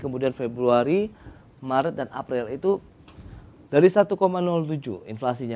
kemudian februari maret dan april itu dari satu tujuh inflasinya